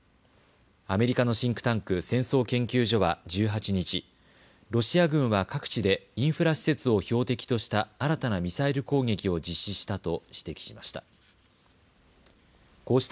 アメリカのシンクタンク、戦争研究所は１８日、ロシア軍は各地でインフラ施設を標的とした新たなミサイル攻撃を実施したと指摘しました。